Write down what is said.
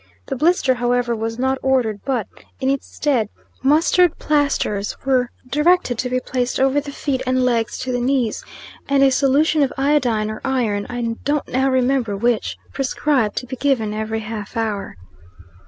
The blister, however, was not ordered; but, in its stead, mustard plasters were directed to be placed over the feet and legs to the knees, and a solution of iodine, or iron, I don't now remember which, prescribed, to be given every half hour.